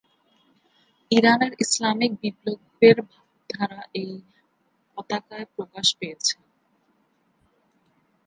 ইরানের ইসলামিক বিপ্লবের ভাবধারা এই পতাকায় প্রকাশ পেয়েছে।